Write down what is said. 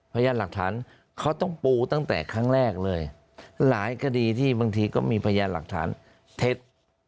พยานหลักฐานเขาต้องปูตั้งแต่ครั้งแรกเลยหลายคดีที่บางทีก็มีพยานหลักฐานเท็จ